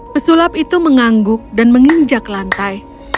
pesulap itu mengangguk dan menginjak lantai